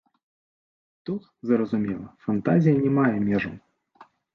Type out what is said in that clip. Тут, зразумела, фантазія не мае межаў.